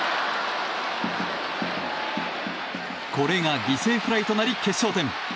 これが犠牲フライとなり決勝点。